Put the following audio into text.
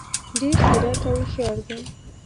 ډېر ځیرک او هوښیار دي.